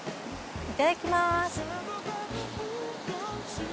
いただきます。